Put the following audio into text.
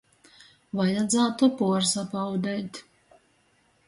Vajadzātu puorsabaudeit.